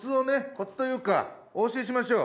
コツというかお教えしましょう。